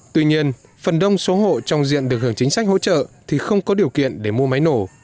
tuy nhiên phần đông số hộ trong diện được hưởng chính sách hỗ trợ thì không có điều kiện để mua máy nổ